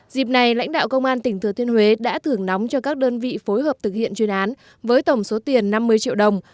dịp này lãnh đạo công an tỉnh thừa thiên huế đã thưởng nóng cho các đơn vị phối hợp thực hiện chuyên án với tổng số tiền năm mươi triệu đồng